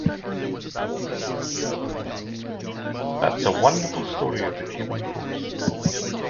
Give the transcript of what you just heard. That's a wonderful story of the Cuban coast.